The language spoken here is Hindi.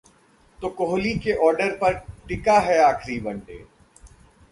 ...तो कोहली के ऑर्डर पर टिका है आखिरी वनडे